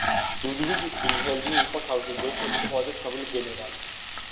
ლუდვიგ ვილჰელმი იყო თავისი დროის ერთ-ერთი ყველაზე ცნობილი გენერალი.